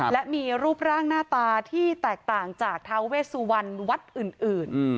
และมีรูปร่างหน้าตาที่แตกต่างจากท้าเวสุวรรณวัดอื่น